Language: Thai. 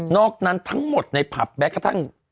อกนั้นทั้งหมดในผับแม้กระทั่ง